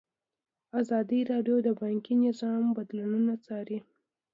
ازادي راډیو د بانکي نظام بدلونونه څارلي.